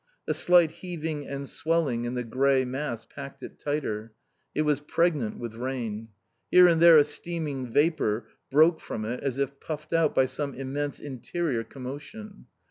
A slight heaving and swelling in the grey mass packed it tighter. It was pregnant with rain. Here and there a steaming vapour broke from it as if puffed out by some immense interior commotion.